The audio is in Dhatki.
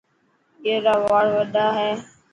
اي را واڙ وڏا هي.